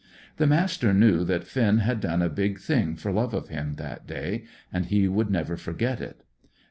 The Master knew that Finn had done a big thing for love of him that day, and he would never forget it.